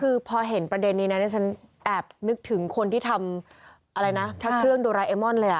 คือพอเห็นประเด็นนี้นะฉันแอบนึกถึงคนที่ทำอะไรนะถ้าเครื่องโดราเอมอนเลยอ่ะ